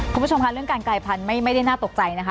คุณผู้ชมค่ะเรื่องการกายพันธุ์ไม่ได้น่าตกใจนะคะ